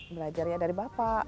belajarnya dari bapak